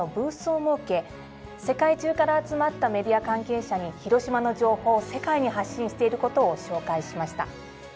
世界中から集まったメディア関係者に広島の情報を世界に発信していることを紹介しました。